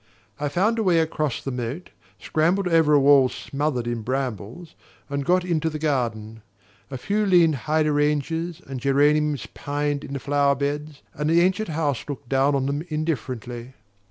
I found a way across the moat, scrambled over a wall smothered in brambles, and got into the garden. A few lean hydrangeas and geraniums pined in the flower beds, and the ancient house looked down on them indifferently.